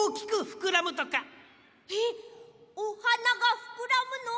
えっおはながふくらむの？